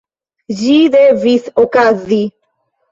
Ĝi devis okazi.